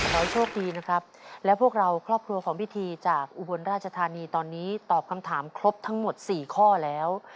ขอให้โชคดีนะครับและพวกเราครอบครัวของพิธีจากอุบลราชธานีตอนนี้ตอบคำถามครบทั้งหมด๔ข้อแล้ว